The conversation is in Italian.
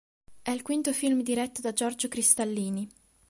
È il quinto film diretto da Giorgio Cristallini.